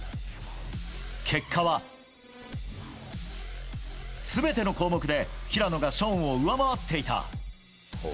結果は全ての項目で平野がショーンを上回っていた。